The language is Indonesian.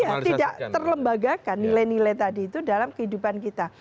iya tidak terlembagakan nilai nilai tadi itu dalam kehidupan kita